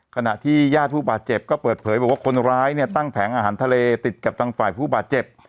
ขณะที่ญาติผู้บาดเจ็บก็เปิดเผยบอกว่าคนร้ายเนี่ยตั้งแผงอาหารทะเลติดกับทางฝ่ายผู้บาดเจ็บ